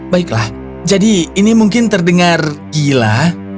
baiklah jadi ini mungkin terdengar gila